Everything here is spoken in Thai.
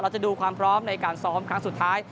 จะดูความพร้อมในการซ้อมครั้งสุดท้าย